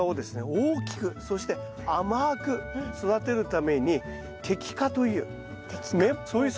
大きくそして甘く育てるために摘果という。摘果。